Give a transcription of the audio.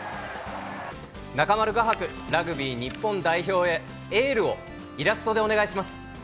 中丸画伯、ラグビー日本代表へエールを、イラストでお願いします。